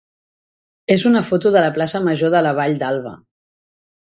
és una foto de la plaça major de la Vall d'Alba.